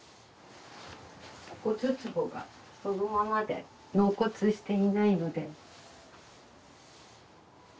お骨つぼがそのままで納骨していないので。